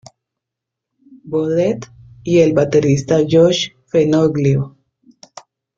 Bodet y el baterista Josh Fenoglio.